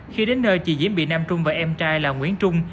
khi đến nơi chị diễm bị nam trung và em trai là nguyễn trung